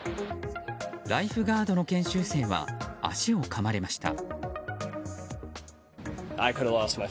ライフガードの研修生は足をかまれました。